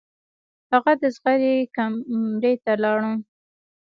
هغه د زغرې کمرې ته لاړ.